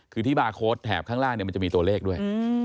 คือที่บาร์โค้ดแถบข้างล่างมันจะมีตัวเลขด้วย